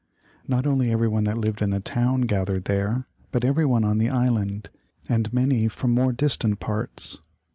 Not only everyone that lived in the town gathered there, but everyone on the island, and many from more distant parts.